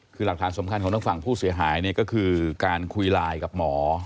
คือหลักฐานสำคัญของทางฝั่งผู้เสียหายเนี่ยก็คือการคุยไลน์กับหมอ